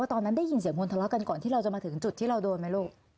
ตอนนั้นได้ยินเสียงคนทะเลาะกันก่อนที่เราจะมาถึงจุดที่เราโดนไหมลูก